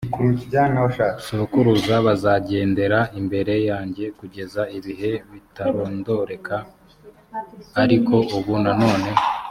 sokuruza bazagendera imbere yanjye kugeza ibihe bitarondoreka k ariko ubu noneho